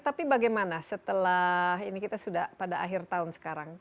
tapi bagaimana setelah ini kita sudah pada akhir tahun sekarang